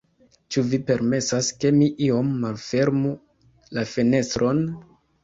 Ĉu vi permesas, ke mi iom malfermu la fenestron?